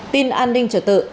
tin an ninh trở tự